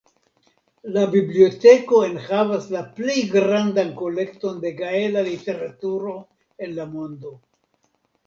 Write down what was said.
La biblioteko enhavas la plej grandan kolekton de gaela literaturo en la mondo.